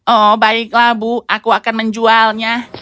oh baiklah bu aku akan menjualnya